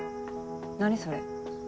何それ。